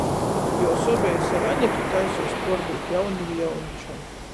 Juos obejis ar Anitu taisuos puordūt jaunivi jauničam.